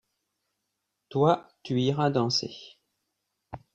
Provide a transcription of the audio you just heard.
Toi tu iras danser ?